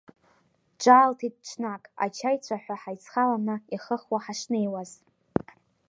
Ҿаалҭит ҽнак ачаи цәаҳәа ҳаицхыланы ихыхуа ҳашнеиуаз.